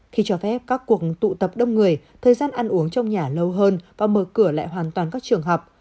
khi cho phép các cuộc tụ tập đông người thời gian ăn uống trong nhà lâu hơn và mở cửa lại hoàn toàn các trường học